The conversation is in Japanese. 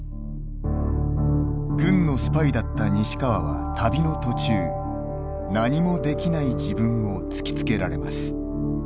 軍のスパイだった西川は旅の途中何もできない自分を突きつけられます。